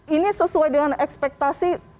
ini sesuai dengan ekspektasi